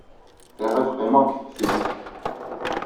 Riɣ ad qqimeɣ deg teftist.